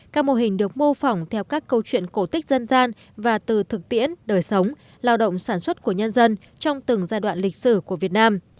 các mô hình được mô phỏng theo các câu chuyện cổ tích dân gian và từ thực tiễn đời sống lao động sản xuất của nhân dân trong từng giai đoạn lịch sử của việt nam